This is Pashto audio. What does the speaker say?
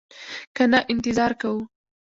که نه انتظار کوو.